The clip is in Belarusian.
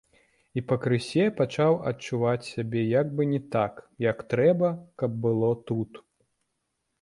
І пакрысе пачаў адчуваць сябе як бы не так, як трэба, каб было тут.